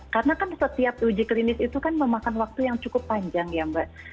karena kan setiap uji klinis itu kan memakan waktu yang cukup panjang ya mbak